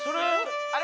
あれ？